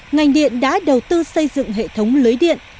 ngành điện đã đầu tư xây dựng hệ thống lưới điện